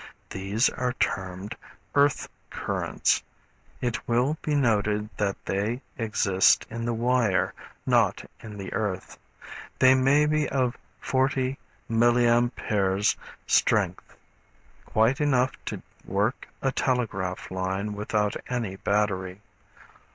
These are termed earth currents. It will be noted that they exist in the wire, not in the earth. They may be of 40 milliamperes strength, quite enough to work a telegraph line without any battery.